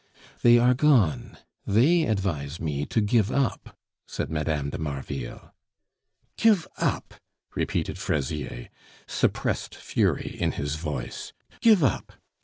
"They are gone. They advise me to give up," said Mme. de Marville. "Give up!" repeated Fraisier, suppressed fury in his voice. "Give up!